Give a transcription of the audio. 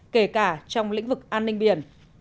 kể cả trong lĩnh vực an ninh biển